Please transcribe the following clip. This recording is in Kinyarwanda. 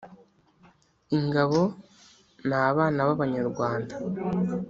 ingabo ni abana b' abanyarwanda.